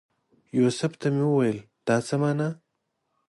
یوسف ته مې وویل دا څه مانا؟